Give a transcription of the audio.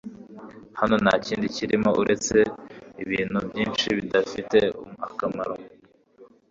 Hano ntakindi kirimo uretse ibintu byinshi bidafite akamaro